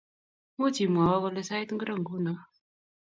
Much imwowo kole sait ngiro nguno?